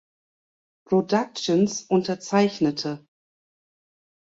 Productions unterzeichnete.